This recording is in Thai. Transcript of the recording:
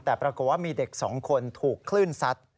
แต่ปรากฏว่ามีเด็ก๒คนถูกคลื่นซัด